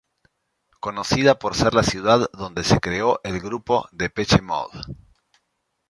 Conocida por ser la ciudad donde se creó el grupo Depeche Mode.